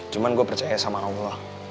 cuma gue percaya sama allah